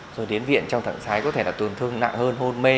rồi đến viện trong thẳng sái có thể là tổn thương nặng hơn hôn mê